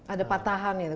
ada patahan itu